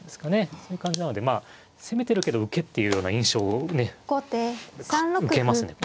そういう感じなのでまあ攻めてるけど受けっていうような印象をね受けますね